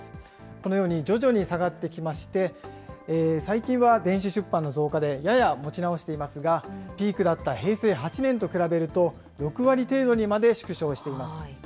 このように徐々に下がってきまして、最近は電子出版の増加でやや持ち直していますが、ピークだった平成８年と比べると６割程度にまで縮小しています。